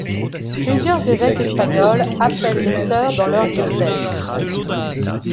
Plusieurs évêques espagnols appellent les sœurs dans leurs diocèses.